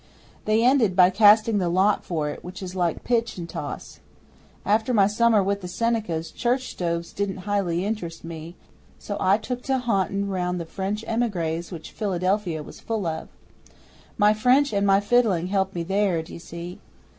They ended by casting the Lot for it, which is like pitch and toss. After my summer with the Senecas, church stoves didn't highly interest me, so I took to haunting round among the French emigres which Philadelphia was full of. My French and my fiddling helped me there, d'ye see.